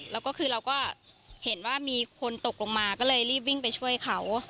แล้วก็คือเราก็เห็นว่ามีคนตกลงมาก็เลยรีบวิ่งไปช่วยเขา